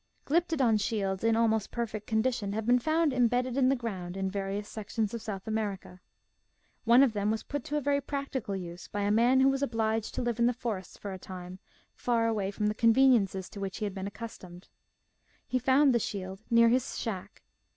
Glyptodon shields in almost perfect condition have been found imbedded in the ground in various sections of South America. One of them was put to a very practical use by a man who was obliged to live in the forests for a time, far away from the conveniences to which he had been accustomed. He found the shield near his shack.